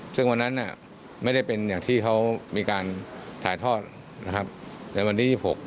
ถึงรู้ว่าเขาตัดต่อ